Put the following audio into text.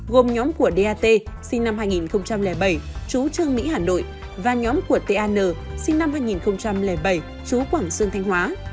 gồm nhóm của dat sinh năm hai nghìn bảy chú trương mỹ hà nội và nhóm của tan sinh năm hai nghìn bảy chú quảng sương thanh hóa